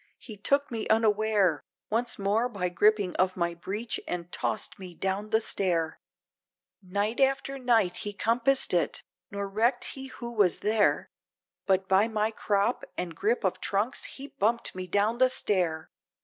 he took me unaware, Once more by gripping of my breech, and tossed me down the stair! Night after night he compassed it, nor recked he who was there But by my crop, and grip of trunks, he bumped me down the stair!